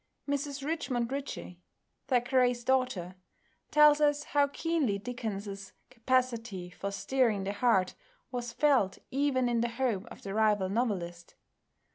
Mrs Richmond Ritchie, Thackeray's daughter, tells us how keenly Dickens's capacity for stirring the heart was felt even in the home of the rival novelist.